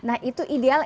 nah itu ideal